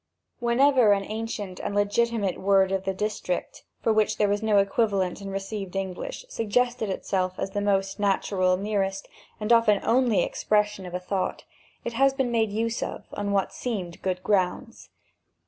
Whenever an ancient and legitimate word of the district, for which there was no equivalent in received English, suggested itself as the most natural, nearest, and often only expression of a thought, it has been made use of, on what seemed good grounds.